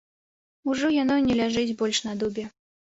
Ужо яно не ляжыць больш на дубе.